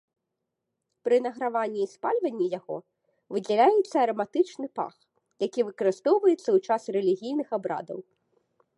Пры награванні і спальванні яго выдзяляецца араматычны пах, які выкарыстоўваецца ў час рэлігійных абрадаў.